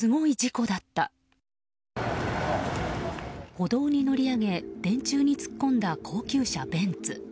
歩道に乗り上げ、電柱に突っ込んだ高級車ベンツ。